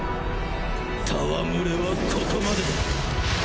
戯れはここまでだ。